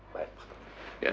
baik pak dokter